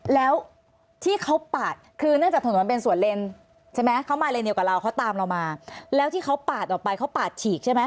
แล้วที่เขาปาดคือเนื่องจากถนนมันเป็นส่วนเลนใช่ไหมเขามาเลนเดียวกับเราเขาตามเรามาแล้วที่เขาปาดออกไปเขาปาดฉีกใช่ไหม